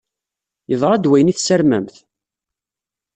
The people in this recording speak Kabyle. Yeḍṛa-d wayen i tessarmemt?